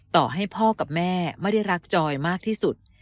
ต่อให้พ่อกับแม่ไม่ได้รักจอยมากที่สุด